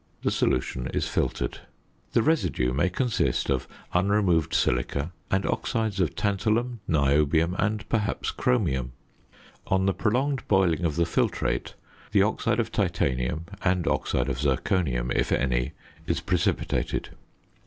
The solution is filtered. The residue may consist of unremoved silica, and oxides of tantalum, niobium, and, perhaps, chromium. On the prolonged boiling of the filtrate, the oxide of titanium (and oxide of zirconium, if any) is precipitated.